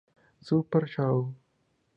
Super Show!".